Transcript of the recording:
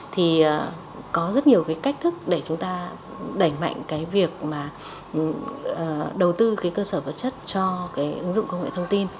thì có rất nhiều cách thức để chúng ta đẩy mạnh việc đầu tư cơ sở vật chất cho ứng dụng công nghệ thông tin